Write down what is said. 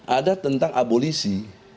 ada tentang abulisi